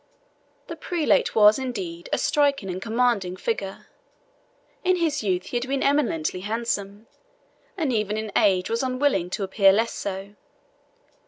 The prelate was, indeed, a striking and commanding figure. In his youth he had been eminently handsome, and even in age was unwilling to appear less so.